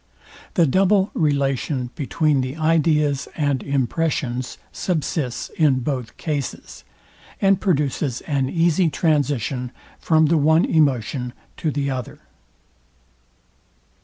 The double relation between the ideas and impressions subsists in both cases, and produces an easy transition from the one emotion to the other.